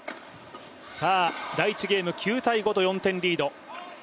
第１ゲーム、９−５と４点リード。